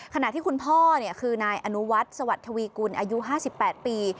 ขณะที่คุณพ่อคือนายอนุวัฒน์สวัสดิ์ทวีกุลอายุ๕๘ปี